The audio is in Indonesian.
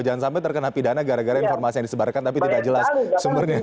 jangan sampai terkena pidana gara gara informasi yang disebarkan tapi tidak jelas sumbernya